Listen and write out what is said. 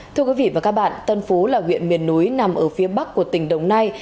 thưa quý vị và các bạn tân phú là huyện miền núi nằm ở phía bắc của tỉnh đồng nai